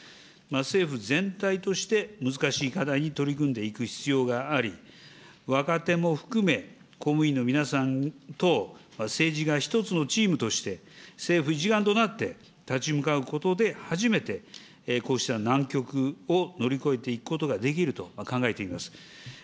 政府全体として、難しい課題に取り組んでいく必要があり、若手も含め、公務員の皆さんと政治が１つのチームとして、政府一丸となって立ち向かうことで初めて、こうした難局を乗り越えていくことができると考えています。